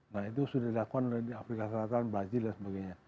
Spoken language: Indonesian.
nah itu sudah dilakukan oleh di afrika selatan brazil dan sebagainya